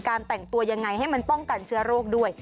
แต่งตัวยังไงให้มันป้องกันเชื้อโรคด้วย